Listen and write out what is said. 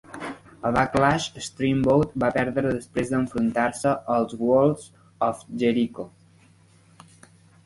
A Backlash, Steamboat va perdre després d'enfrontar-se als Walls of Jericho.